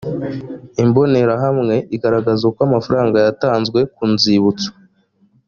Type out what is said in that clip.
imbonerahamwe igaragaza uko amafaranga yatanzwe ku nzibutso